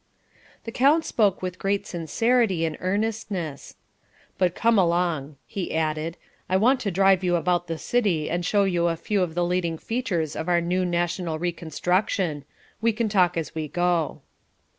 The count spoke with great sincerity and earnestness. "But come along," he added. "I want to drive you about the city and show you a few of the leading features of our new national reconstruction. We can talk as we go."